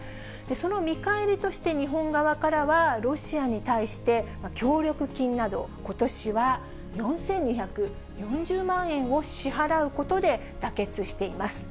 その見返りとして日本側からは、ロシアに対して協力金など、ことしは４２４０万円を支払うことで妥結しています。